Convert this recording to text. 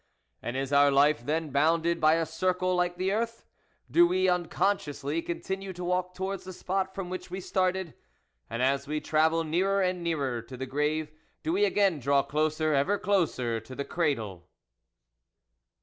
And is our life, then, bounded by a circle like the earth ? Do we, unconsciously, continue to walk towards the spot from which we started ? And as we travel nearer and nearer to the grave, do we again draw closer, ever closer, to the cradle